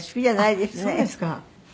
そうですか。